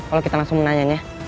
kalau kita langsung menanyanya